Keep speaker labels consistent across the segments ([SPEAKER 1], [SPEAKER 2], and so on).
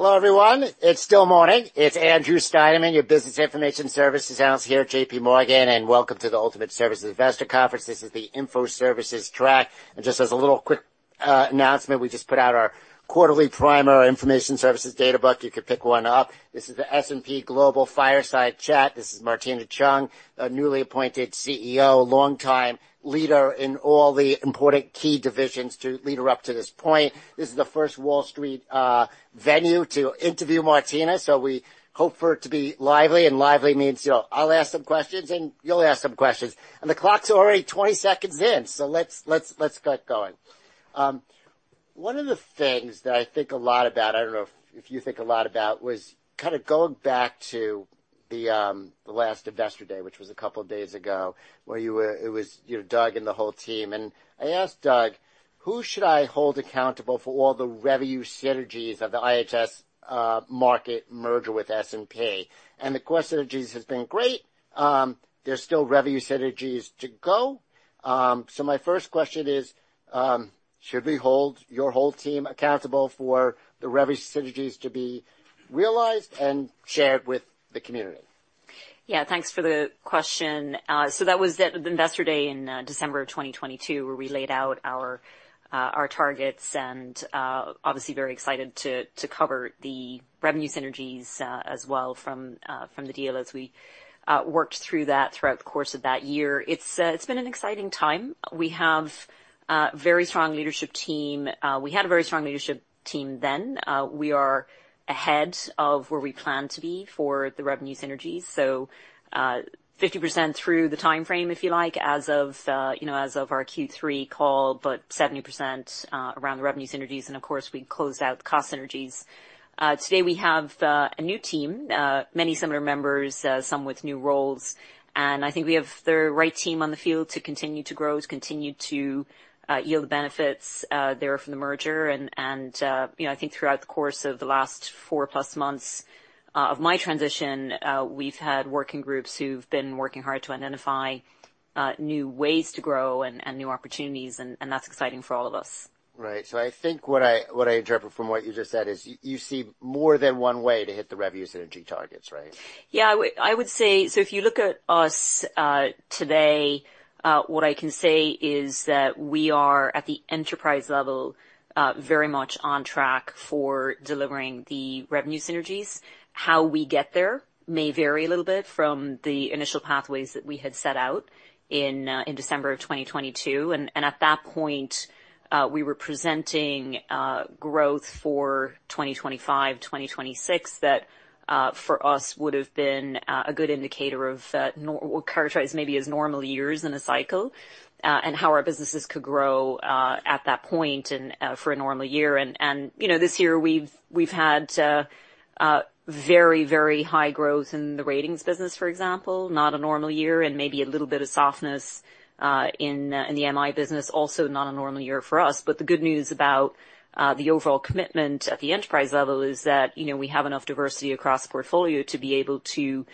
[SPEAKER 1] Hello, everyone. It's still morning. It's Andrew Steinerman, your Business Information Services Analyst here at JPMorgan, and welcome to the Ultimate Services Investor Conference. This is the Info Services Track. And just as a little quick announcement, we just put out our quarterly primer, our Information Services Data Book. You can pick one up. This is the S&P Global Fireside Chat. This is Martina Cheung, a newly appointed CEO, longtime leader in all the important key divisions to lead her up to this point. This is the first Wall Street venue to interview Martina, so we hope for it to be lively. And lively means, you know, I'll ask some questions and you'll ask some questions. And the clock's already 20 seconds in, so let's get going. One of the things that I think a lot about, I don't know if you think a lot about, was kind of going back to the last Investor Day, which was a couple of days ago, where you were, it was Doug and the whole team. And I asked Doug, "Who should I hold accountable for all the revenue synergies of the IHS Markit merger with S&P?" And the cost synergies, it has been great. There's still revenue synergies to go. So my first question is, should we hold your whole team accountable for the revenue synergies to be realized and shared with the community?
[SPEAKER 2] Yeah, thanks for the question. So that was at the Investor Day in December of 2022, where we laid out our targets and, obviously, very excited to cover the revenue synergies as well from the deal as we worked through that throughout the course of that year. It's been an exciting time. We have a very strong leadership team. We had a very strong leadership team then. We are ahead of where we plan to be for the revenue synergies, so 50% through the timeframe, if you like, as of our Q3 call, but 70% around the revenue synergies. And of course, we closed out cost synergies. Today, we have a new team, many similar members, some with new roles. And I think we have the right team on the field to continue to grow, to continue to yield benefits there from the merger. I think throughout the course of the last four-plus months of my transition, we've had working groups who've been working hard to identify new ways to grow and new opportunities, and that's exciting for all of us.
[SPEAKER 1] Right. So I think what I interpret from what you just said is you see more than one way to hit the revenue synergy targets, right?
[SPEAKER 2] Yeah, I would say so if you look at us today. What I can say is that we are at the enterprise level very much on track for delivering the revenue synergies. How we get there may vary a little bit from the initial pathways that we had set out in December of 2022. And at that point, we were presenting growth for 2025, 2026 that for us would have been a good indicator of what we'll characterize maybe as normal years in a cycle and how our businesses could grow at that point for a normal year. And this year, we've had very, very high growth in the Ratings business, for example, not a normal year, and maybe a little bit of softness in the MI business, also not a normal year for us. But the good news about the overall commitment at the enterprise level is that we have enough diversity across the portfolio to be able to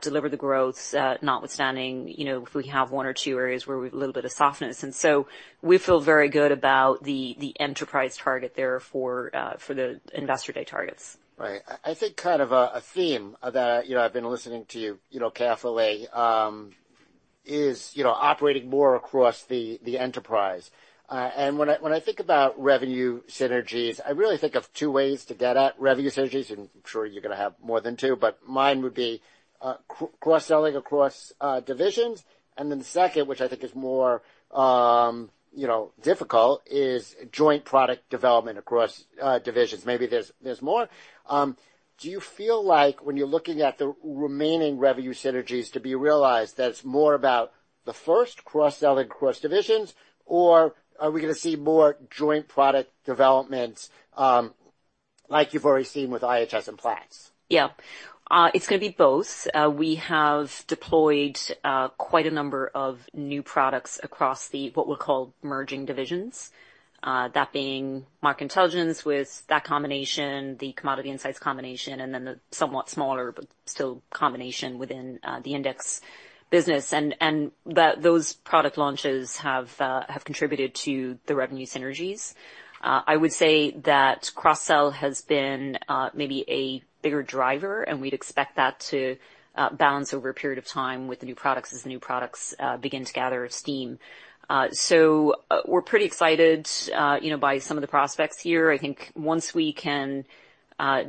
[SPEAKER 2] deliver the growth, notwithstanding if we have one or two areas where we have a little bit of softness, and so we feel very good about the enterprise target there for the Investor Day targets.
[SPEAKER 1] Right. I think kind of a theme that I've been listening to you carefully is operating more across the enterprise. And when I think about revenue synergies, I really think of two ways to get at revenue synergies. And I'm sure you're going to have more than two, but mine would be cross-selling across divisions. And then the second, which I think is more difficult, is joint product development across divisions. Maybe there's more. Do you feel like when you're looking at the remaining revenue synergies to be realized, that it's more about the first cross-selling across divisions, or are we going to see more joint product developments like you've already seen with IHS and Platts?
[SPEAKER 2] Yeah. It's going to be both. We have deployed quite a number of new products across the what we'll call merging divisions, that being Market Intelligence with that combination, the Commodity Insights combination, and then the somewhat smaller, but still combination within the Index business, and those product launches have contributed to the revenue synergies. I would say that cross-sell has been maybe a bigger driver, and we'd expect that to bounce over a period of time with the new products as the new products begin to gather steam, so we're pretty excited by some of the prospects here. I think once we can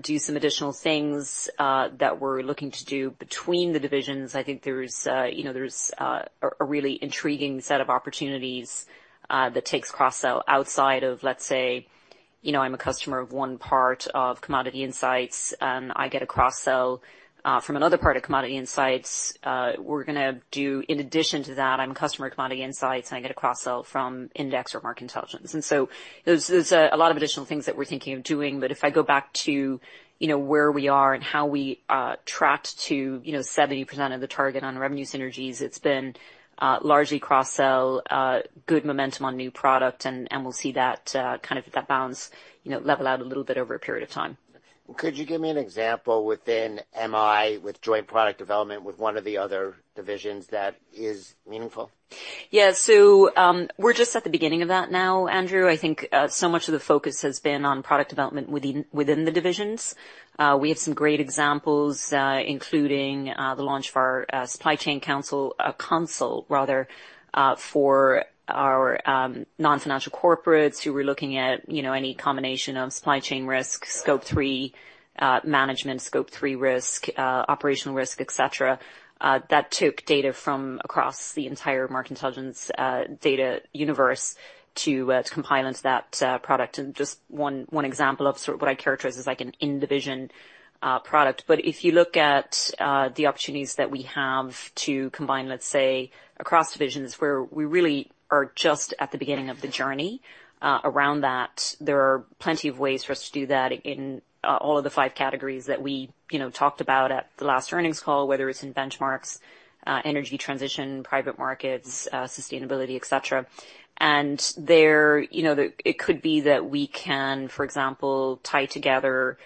[SPEAKER 2] do some additional things that we're looking to do between the divisions, I think there's a really intriguing set of opportunities that takes cross-sell outside of, let's say, I'm a customer of one part of Commodity Insights, and I get a cross-sell from another part of Commodity Insights. We're going to do, in addition to that, I'm a customer of Commodity Insights, and I get a cross-sell from Index or Market Intelligence. And so there's a lot of additional things that we're thinking of doing. But if I go back to where we are and how we tracked to 70% of the target on revenue synergies, it's been largely cross-sell, good momentum on new product, and we'll see that kind of bounce level out a little bit over a period of time.
[SPEAKER 1] Could you give me an example within MI with joint product development with one of the other divisions that is meaningful?
[SPEAKER 2] Yeah. So we're just at the beginning of that now, Andrew. I think so much of the focus has been on product development within the divisions. We have some great examples, including the launch of our Supply Chain Console for our non-financial corporates who were looking at any combination of supply chain risk, Scope 3 management, Scope 3 risk, operational risk, et cetera. That took data from across the entire Market Intelligence data universe to compile into that product. And just one example of sort of what I characterize as like an in-division product. But if you look at the opportunities that we have to combine, let's say, across divisions, where we really are just at the beginning of the journey around that, there are plenty of ways for us to do that in all of the five categories that we talked about at the last earnings call, whether it's in benchmarks, energy transition, private markets, sustainability, etc. And it could be that we can, for example, tie together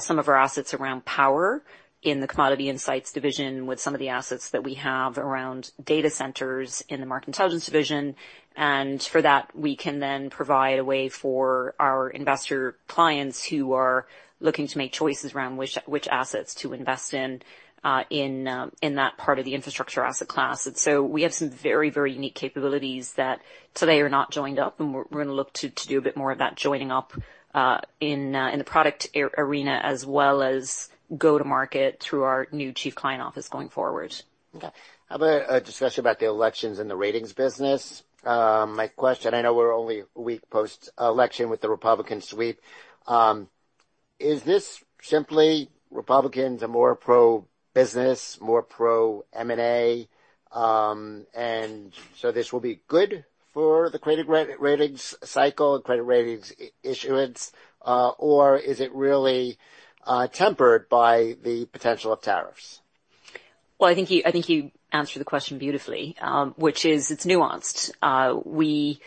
[SPEAKER 2] some of our assets around power in the Commodity Insights division with some of the assets that we have around data centers in the Market Intelligence division. And for that, we can then provide a way for our investor clients who are looking to make choices around which assets to invest in in that part of the infrastructure asset class. And so we have some very, very unique capabilities that today are not joined up, and we're going to look to do a bit more of that joining up in the product arena as well as go-to-market through our new Chief Client Office going forward.
[SPEAKER 1] Okay. I've had a discussion about the elections and the ratings business. My question, I know we're only a week post-election with the Republican sweep. Is this simply Republicans are more pro-business, more pro-M&A? And so this will be good for the credit ratings cycle and credit ratings issuance, or is it really tempered by the potential of tariffs?
[SPEAKER 2] I think you answered the question beautifully, which is it's nuanced. We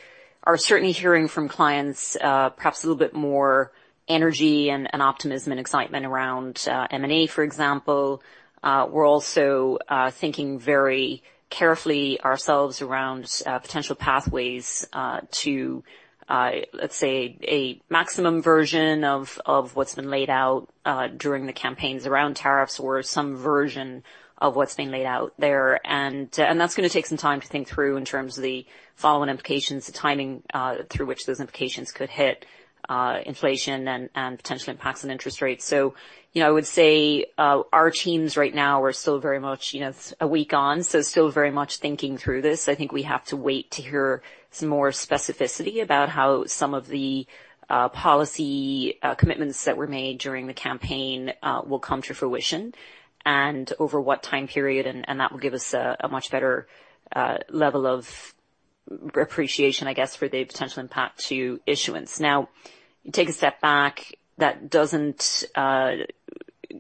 [SPEAKER 2] are certainly hearing from clients perhaps a little bit more energy and optimism and excitement around M&A, for example. We're also thinking very carefully ourselves around potential pathways to, let's say, a maximum version of what's been laid out during the campaigns around tariffs or some version of what's been laid out there. And that's going to take some time to think through in terms of the following implications, the timing through which those implications could hit inflation and potential impacts on interest rates. So I would say our teams right now are still very much a week on, so still very much thinking through this. I think we have to wait to hear some more specificity about how some of the policy commitments that were made during the campaign will come to fruition and over what time period, and that will give us a much better level of appreciation, I guess, for the potential impact to issuance. Now, take a step back. That doesn't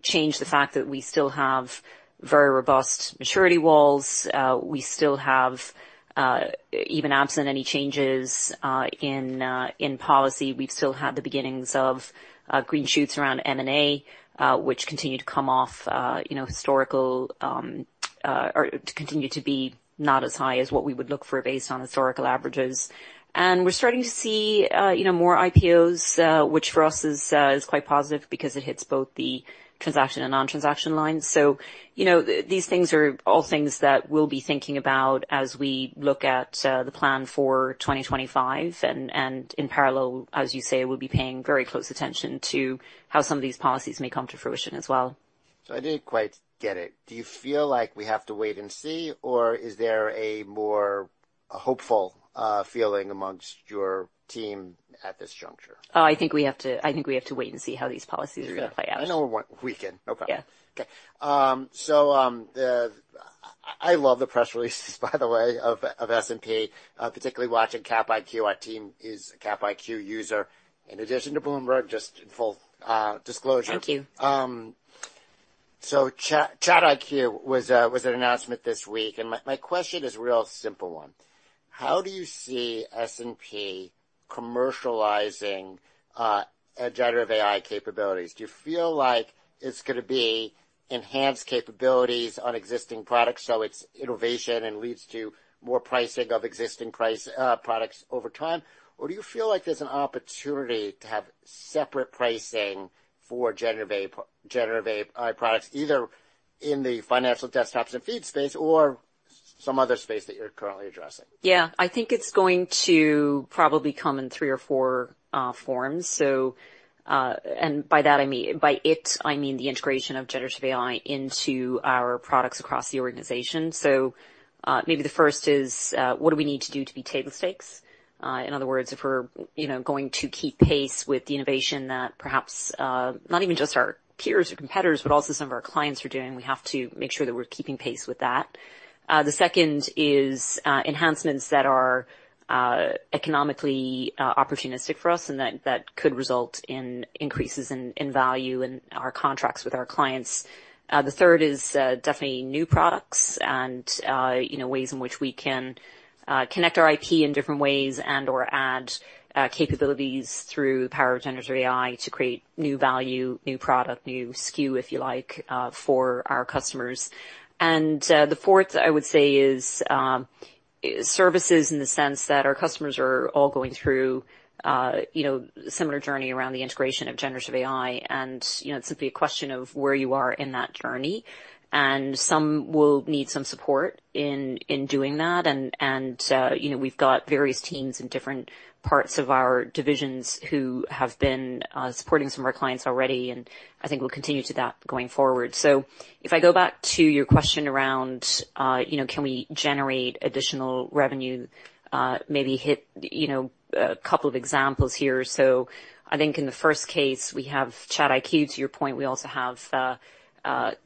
[SPEAKER 2] change the fact that we still have very robust maturity walls. We still have, even absent any changes in policy, we've still had the beginnings of green shoots around M&A, which continue to come off historical or continue to be not as high as what we would look for based on historical averages, and we're starting to see more IPOs, which for us is quite positive because it hits both the transaction and non-transaction lines. These things are all things that we'll be thinking about as we look at the plan for 2025. In parallel, as you say, we'll be paying very close attention to how some of these policies may come to fruition as well.
[SPEAKER 1] So I didn't quite get it. Do you feel like we have to wait and see, or is there a more hopeful feeling amongst your team at this juncture?
[SPEAKER 2] Oh, I think we have to wait and see how these policies are going to play out.
[SPEAKER 1] I know we can. No problem.
[SPEAKER 2] Yeah.
[SPEAKER 1] Okay. So I love the press releases, by the way, of S&P, particularly watching CapIQ. Our team is a CapIQ user, in addition to Bloomberg, just in full disclosure.
[SPEAKER 2] Thank you.
[SPEAKER 1] So ChatIQ was an announcement this week. And my question is a real simple one. How do you see S&P commercializing generative AI capabilities? Do you feel like it's going to be enhanced capabilities on existing products, so it's innovation and leads to more pricing of existing products over time? Or do you feel like there's an opportunity to have separate pricing for generative AI products, either in the financial desktops and feed space or some other space that you're currently addressing?
[SPEAKER 2] Yeah. I think it's going to probably come in three or four forms. And by that, I mean the integration of generative AI into our products across the organization. So maybe the first is, what do we need to do to be table stakes? In other words, if we're going to keep pace with the innovation that perhaps not even just our peers or competitors, but also some of our clients are doing, we have to make sure that we're keeping pace with that. The second is enhancements that are economically opportunistic for us, and that could result in increases in value in our contracts with our clients. The third is definitely new products and ways in which we can connect our IP in different ways and/or add capabilities through the power of generative AI to create new value, new product, new SKU, if you like, for our customers. And the fourth, I would say, is services in the sense that our customers are all going through a similar journey around the integration of generative AI. And it's simply a question of where you are in that journey. And some will need some support in doing that. And we've got various teams in different parts of our divisions who have been supporting some of our clients already, and I think we'll continue to that going forward. So if I go back to your question around, can we generate additional revenue, maybe hit a couple of examples here? So I think in the first case, we have ChatIQ. To your point, we also have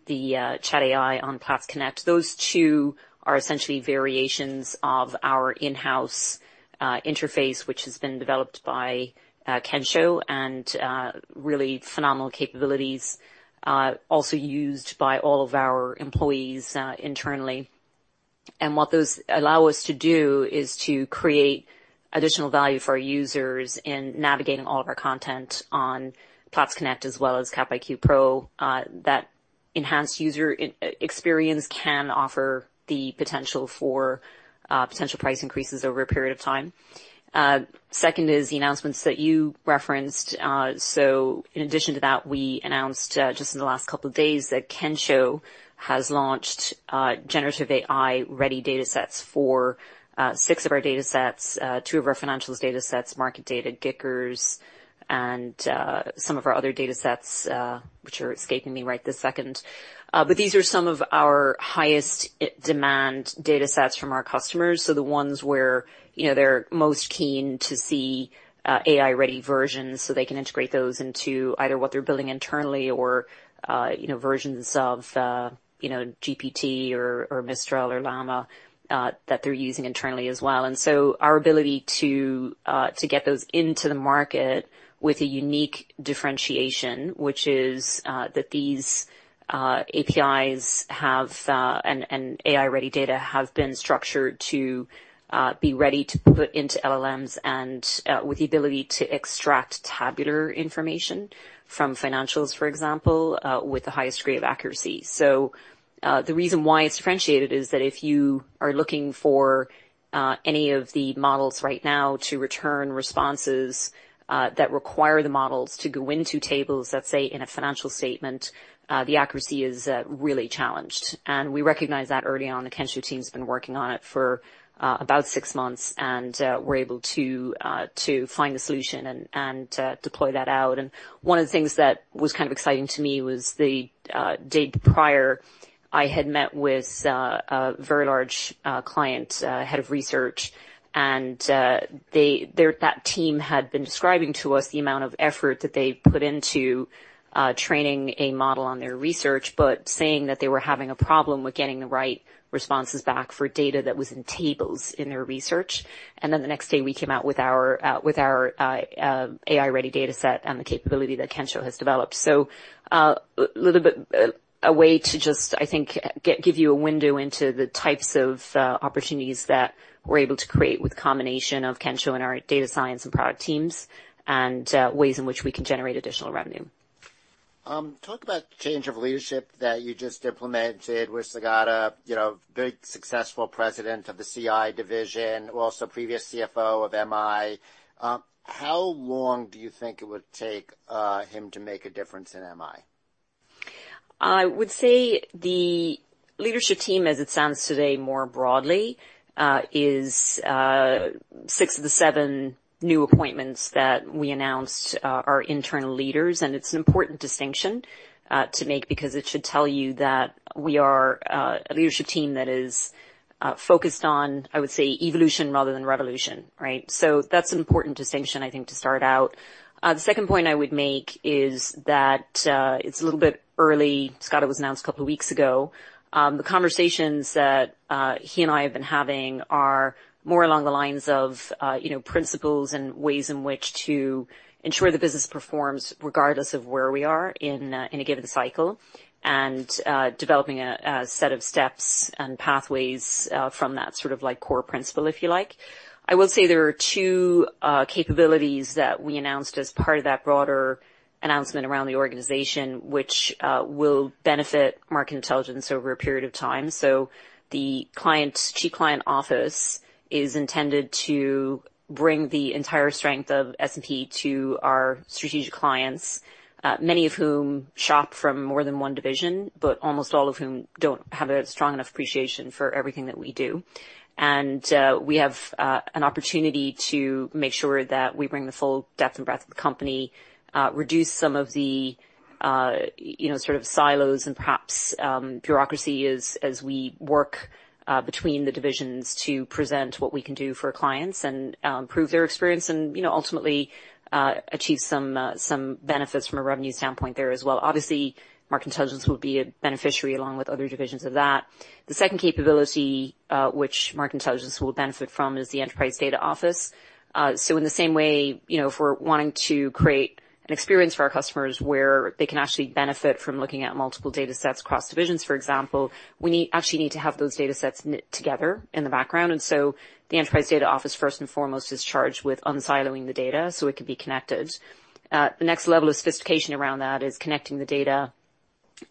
[SPEAKER 2] the ChatAI on Platts Connect. Those two are essentially variations of our in-house interface, which has been developed by Kensho and really phenomenal capabilities also used by all of our employees internally. And what those allow us to do is to create additional value for our users in navigating all of our content on Platts Connect as well as CapIQ Pro. That enhanced user experience can offer the potential for potential price increases over a period of time. Second is the announcements that you referenced. So in addition to that, we announced just in the last couple of days that Kensho has launched generative AI-ready datasets for six of our datasets, two of our financials datasets, market data, GICS, and some of our other datasets, which are escaping me right this second. But these are some of our highest demand datasets from our customers. So the ones where they're most keen to see AI-ready versions so they can integrate those into either what they're building internally or versions of GPT or Mistral or Llama that they're using internally as well. And so our ability to get those into the market with a unique differentiation, which is that these APIs and AI-ready data have been structured to be ready to put into LLMs and with the ability to extract tabular information from financials, for example, with the highest degree of accuracy. So the reason why it's differentiated is that if you are looking for any of the models right now to return responses that require the models to go into tables, let's say, in a financial statement, the accuracy is really challenged. And we recognize that early on. The Kensho team has been working on it for about six months, and we're able to find the solution and deploy that out. And one of the things that was kind of exciting to me was the day prior, I had met with a very large client, head of research, and that team had been describing to us the amount of effort that they put into training a model on their research, but saying that they were having a problem with getting the right responses back for data that was in tables in their research. And then the next day, we came out with our AI-ready dataset and the capability that Kensho has developed. A little bit a way to just, I think, give you a window into the types of opportunities that we're able to create with the combination of Kensho and our data science and product teams and ways in which we can generate additional revenue.
[SPEAKER 1] Talk about change of leadership that you just implemented with Sagara, big successful president of the CI division, also previous CFO of MI. How long do you think it would take him to make a difference in MI?
[SPEAKER 2] I would say the leadership team, as it stands today more broadly, is six of the seven new appointments that we announced are internal leaders. And it's an important distinction to make because it should tell you that we are a leadership team that is focused on, I would say, evolution rather than revolution, right? So that's an important distinction, I think, to start out. The second point I would make is that it's a little bit early. Sagara was announced a couple of weeks ago. The conversations that he and I have been having are more along the lines of principles and ways in which to ensure the business performs regardless of where we are in a given cycle and developing a set of steps and pathways from that sort of core principle, if you like. I will say there are two capabilities that we announced as part of that broader announcement around the organization, which will benefit Market Intelligence over a period of time. So the Chief Client Office is intended to bring the entire strength of S&P to our strategic clients, many of whom shop from more than one division, but almost all of whom don't have a strong enough appreciation for everything that we do. And we have an opportunity to make sure that we bring the full depth and breadth of the company, reduce some of the sort of silos and perhaps bureaucracy as we work between the divisions to present what we can do for clients and improve their experience and ultimately achieve some benefits from a revenue standpoint there as well. Obviously, Market Intelligence will be a beneficiary along with other divisions of that. The second capability which Market Intelligence will benefit from is the Enterprise Data Office. So in the same way, if we're wanting to create an experience for our customers where they can actually benefit from looking at multiple datasets across divisions, for example, we actually need to have those datasets knit together in the background. And so the Enterprise Data Office, first and foremost, is charged with unsiloing the data so it can be connected. The next level of sophistication around that is connecting the data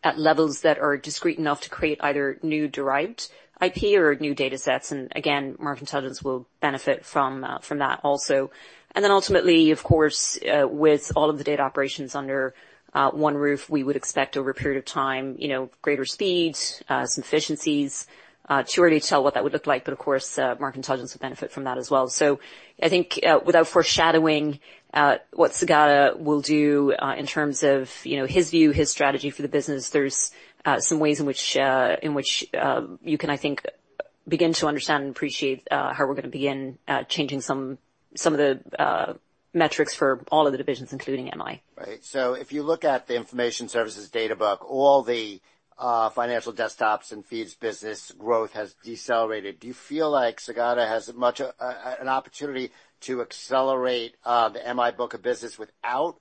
[SPEAKER 2] at levels that are discrete enough to create either new derived IP or new datasets. And again, market intelligence will benefit from that also. And then ultimately, of course, with all of the data operations under one roof, we would expect over a period of time, greater speeds, some efficiencies. Too early to tell what that would look like, but of course, Market Intelligence will benefit from that as well. So I think without foreshadowing what Sagara will do in terms of his view, his strategy for the business, there's some ways in which you can, I think, begin to understand and appreciate how we're going to begin changing some of the metrics for all of the divisions, including MI.
[SPEAKER 1] Right. So if you look at the Information Services Data Book, all the financial desktops and feeds business growth has decelerated. Do you feel like Sagara has much of an opportunity to accelerate the MI book of business without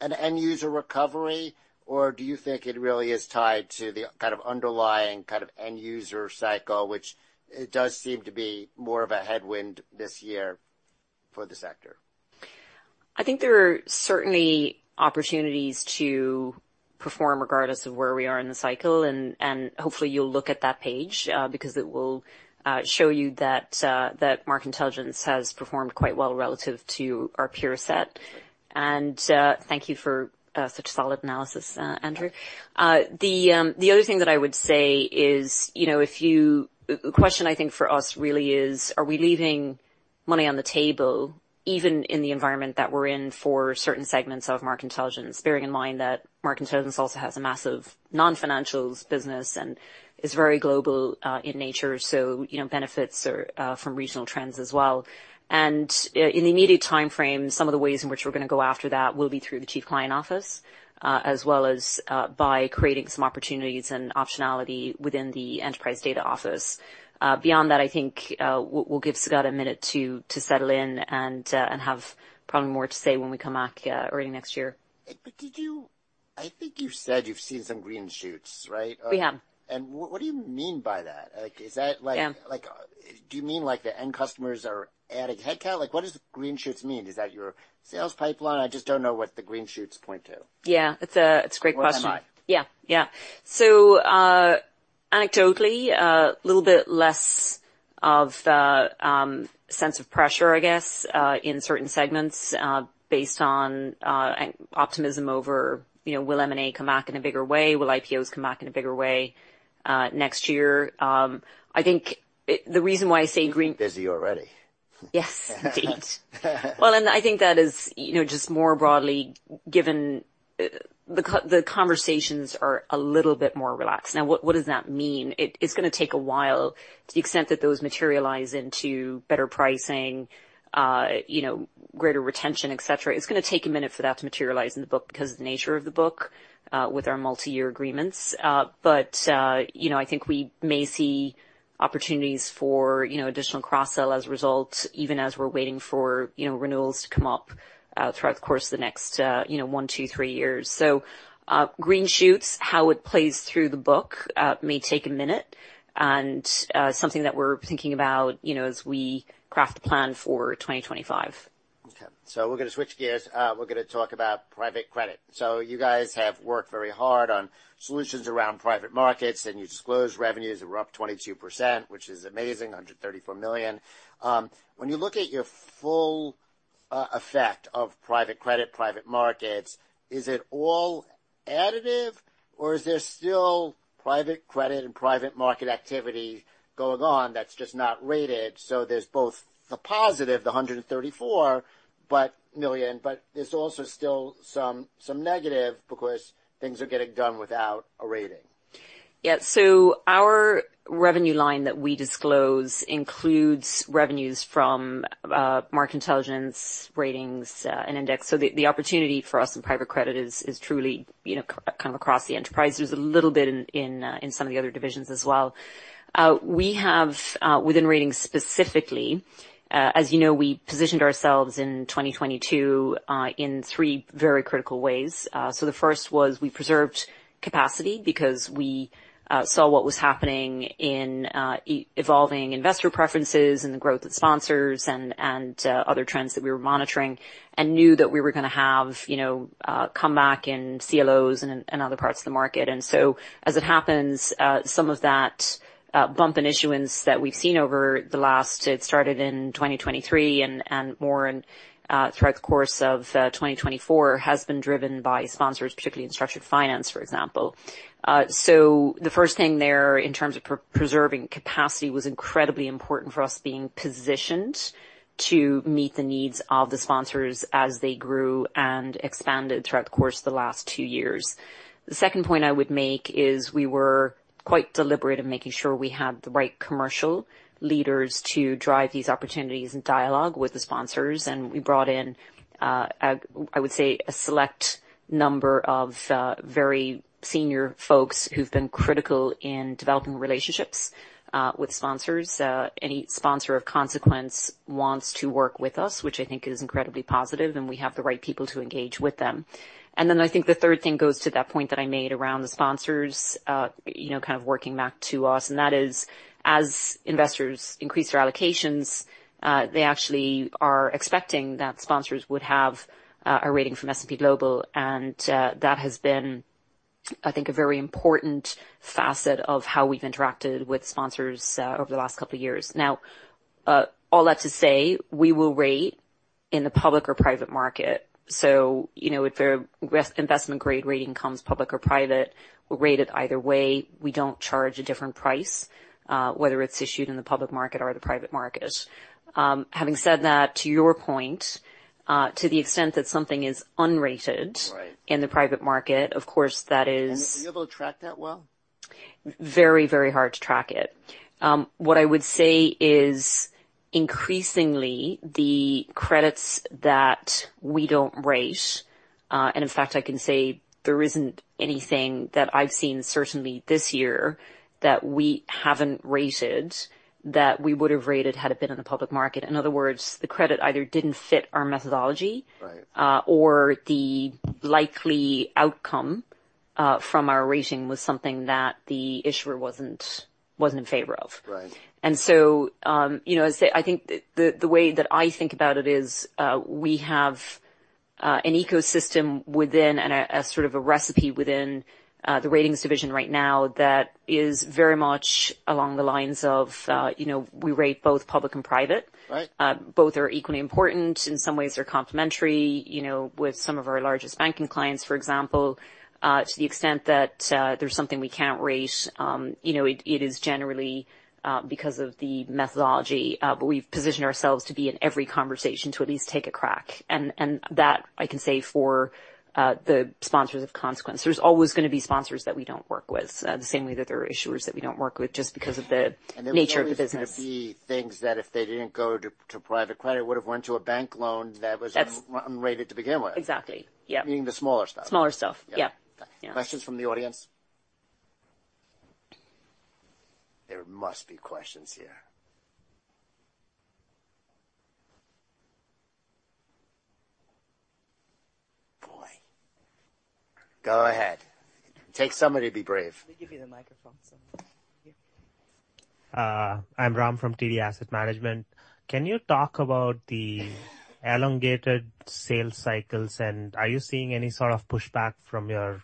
[SPEAKER 1] an end user recovery, or do you think it really is tied to the kind of underlying kind of end user cycle, which does seem to be more of a headwind this year for the sector?
[SPEAKER 2] I think there are certainly opportunities to perform regardless of where we are in the cycle. And hopefully, you'll look at that page because it will show you that Market Intelligence has performed quite well relative to our peer set. And thank you for such solid analysis, Andrew. The other thing that I would say is, if you take the question, I think, for us really is, are we leaving money on the table even in the environment that we're in for certain segments of Market Intelligence, bearing in mind that Market Intelligence also has a massive non-financials business and is very global in nature, so benefits from regional trends as well. And in the immediate timeframe, some of the ways in which we're going to go after that will be through the Chief Client Office as well as by creating some opportunities and optionality within the Enterprise Data Office. Beyond that, I think we'll give Sagara a minute to settle in and have probably more to say when we come back early next year.
[SPEAKER 1] I think you've said you've seen some green shoots, right?
[SPEAKER 2] We have.
[SPEAKER 1] What do you mean by that? Is that like do you mean like the end customers are adding headcount? What does green shoots mean? Is that your sales pipeline? I just don't know what the green shoots point to.
[SPEAKER 2] Yeah. It's a great question.
[SPEAKER 1] Or MI?
[SPEAKER 2] Yeah. Yeah. So anecdotally, a little bit less of a sense of pressure, I guess, in certain segments based on optimism over, will M&A come back in a bigger way? Will IPOs come back in a bigger way next year? I think the reason why I say green.
[SPEAKER 1] You're busy already.
[SPEAKER 2] Yes. Indeed. Well, and I think that is just more broadly given the conversations are a little bit more relaxed. Now, what does that mean? It's going to take a while to the extent that those materialize into better pricing, greater retention, etc. It's going to take a minute for that to materialize in the book because of the nature of the book with our multi-year agreements. But I think we may see opportunities for additional cross-sell as a result, even as we're waiting for renewals to come up throughout the course of the next one, two, three years. So green shoots, how it plays through the book may take a minute and something that we're thinking about as we craft a plan for 2025.
[SPEAKER 1] Okay. So we're going to switch gears. We're going to talk about private credit. So you guys have worked very hard on solutions around private markets, and you disclosed revenues that were up 22%, which is amazing, $134 million. When you look at your full effect of private credit, private markets, is it all additive, or is there still private credit and private market activity going on that's just not rated? So there's both the positive, the $134 million, but there's also still some negative because things are getting done without a rating.
[SPEAKER 2] Yeah. So our revenue line that we disclose includes revenues from Market Intelligence, ratings, and index. So the opportunity for us in private credit is truly kind of across the enterprise. There's a little bit in some of the other divisions as well. We have, within ratings specifically, as you know, we positioned ourselves in 2022 in three very critical ways. So the first was we preserved capacity because we saw what was happening in evolving investor preferences and the growth of sponsors and other trends that we were monitoring and knew that we were going to have comeback in CLOs and other parts of the market. And so as it happens, some of that bump in issuance that we've seen over the last, it started in 2023 and more throughout the course of 2024, has been driven by sponsors, particularly in structured finance, for example. The first thing there in terms of preserving capacity was incredibly important for us being positioned to meet the needs of the sponsors as they grew and expanded throughout the course of the last two years. The second point I would make is we were quite deliberate in making sure we had the right commercial leaders to drive these opportunities and dialogue with the sponsors. We brought in, I would say, a select number of very senior folks who've been critical in developing relationships with sponsors. Any sponsor of consequence wants to work with us, which I think is incredibly positive, and we have the right people to engage with them. I think the third thing goes to that point that I made around the sponsors kind of working back to us. That is, as investors increase their allocations, they actually are expecting that sponsors would have a rating from S&P Global. That has been, I think, a very important facet of how we've interacted with sponsors over the last couple of years. Now, all that to say, we will rate in the public or private market. If an investment-grade rating comes public or private, we'll rate it either way. We don't charge a different price, whether it's issued in the public market or the private market. Having said that, to your point, to the extent that something is unrated in the private market, of course, that is.
[SPEAKER 1] Are you able to track that well?
[SPEAKER 2] Very, very hard to track it. What I would say is increasingly, the credits that we don't rate, and in fact, I can say there isn't anything that I've seen certainly this year that we haven't rated that we would have rated had it been in the public market. In other words, the credit either didn't fit our methodology or the likely outcome from our rating was something that the issuer wasn't in favor of, and so I think the way that I think about it is we have an ecosystem within and a sort of a recipe within the ratings division right now that is very much along the lines of we rate both public and private. Both are equally important. In some ways, they're complementary with some of our largest banking clients, for example. To the extent that there's something we can't rate, it is generally because of the methodology. But we've positioned ourselves to be in every conversation to at least take a crack. And that, I can say, for the sponsors of consequence. There's always going to be sponsors that we don't work with, the same way that there are issuers that we don't work with just because of the nature of the business.
[SPEAKER 1] There would be things that if they didn't go to private credit, it would have went to a bank loan that was unrated to begin with.
[SPEAKER 2] Exactly. Yeah.
[SPEAKER 1] Meaning the smaller stuff.
[SPEAKER 2] Smaller stuff. Yeah.
[SPEAKER 1] Questions from the audience? There must be questions here. Boy. Go ahead. Take somebody to be brave. Let me give you the microphone. I'm Ram from TD Asset Management. Can you talk about the elongated sales cycles? And are you seeing any sort of pushback from your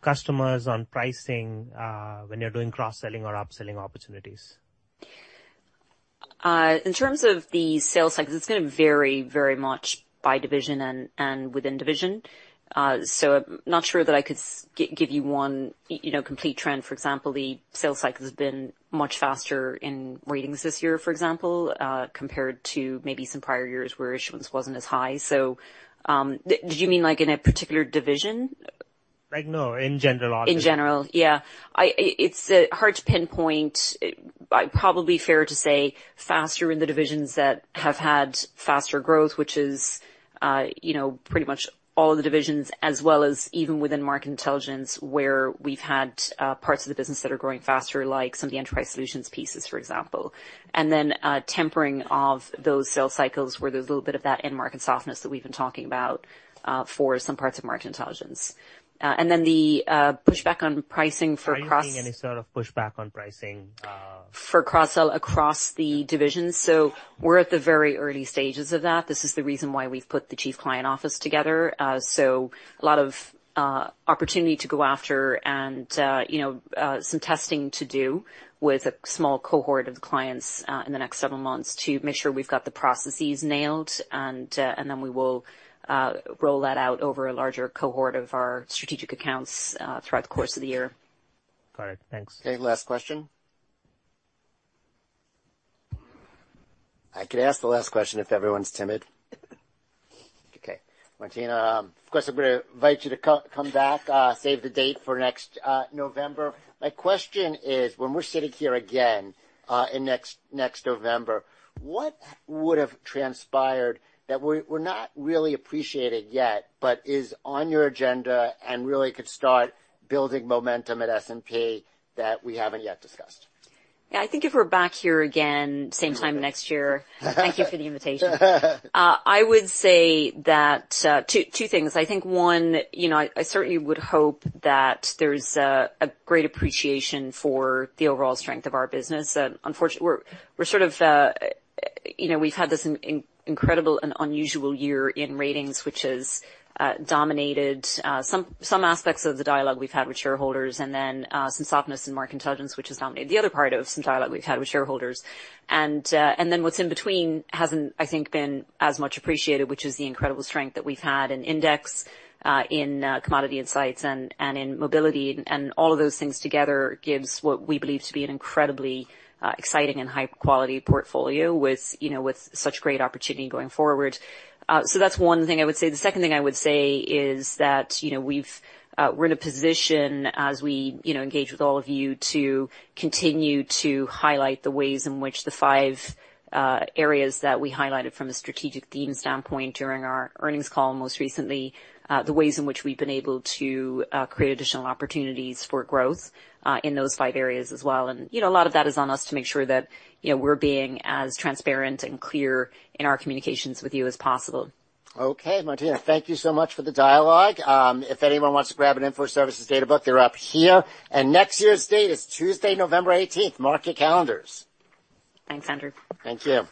[SPEAKER 1] customers on pricing when you're doing cross-selling or upselling opportunities?
[SPEAKER 2] In terms of the sales cycles, it's going to vary very much by division and within division. So I'm not sure that I could give you one complete trend. For example, the sales cycle has been much faster in ratings this year, for example, compared to maybe some prior years where issuance wasn't as high. So did you mean like in a particular division? No, in general audience. In general, yeah. It's hard to pinpoint. It's probably fair to say faster in the divisions that have had faster growth, which is pretty much all of the divisions, as well as even within Market Intelligence where we've had parts of the business that are growing faster, like some of the enterprise solutions pieces, for example. And then a tempering of those sales cycles where there's a little bit of that in-market softness that we've been talking about for some parts of Market Intelligence. And then the pushback on pricing for cross. Are you seeing any sort of pushback on pricing? For cross-sell across the divisions. So we're at the very early stages of that. This is the reason why we've put the Chief Client Office together. So a lot of opportunity to go after and some testing to do with a small cohort of clients in the next several months to make sure we've got the processes nailed. And then we will roll that out over a larger cohort of our strategic accounts throughout the course of the year. All right. Thanks.
[SPEAKER 1] Okay. Last question. I could ask the last question if everyone's timid. Okay. Martina, of course, I'm going to invite you to come back, save the date for next November. My question is, when we're sitting here again in next November, what would have transpired that we're not really appreciating yet, but is on your agenda and really could start building momentum at S&P that we haven't yet discussed?
[SPEAKER 2] Yeah. I think if we're back here again, same time next year, thank you for the invitation. I would say that two things. I think one, I certainly would hope that there's a great appreciation for the overall strength of our business. Unfortunately, we've sort of had this incredible and unusual year in Ratings, which has dominated some aspects of the dialogue we've had with shareholders, and then some softness in Market Intelligence, which has dominated the other part of some dialogue we've had with shareholders. And then what's in between hasn't, I think, been as much appreciated, which is the incredible strength that we've had in Index, in Commodity Insights, and in Mobility. And all of those things together gives what we believe to be an incredibly exciting and high-quality portfolio with such great opportunity going forward. So that's one thing I would say. The second thing I would say is that we're in a position, as we engage with all of you, to continue to highlight the ways in which the five areas that we highlighted from a strategic theme standpoint during our earnings call most recently, the ways in which we've been able to create additional opportunities for growth in those five areas as well, and a lot of that is on us to make sure that we're being as transparent and clear in our communications with you as possible.
[SPEAKER 1] Okay. Martina, thank you so much for the dialogue. If anyone wants to grab an Information Services Data Book, they're up here, and next year's date is Tuesday, November 18th. Mark your calendars.
[SPEAKER 2] Thanks, Andrew.
[SPEAKER 1] Thank you.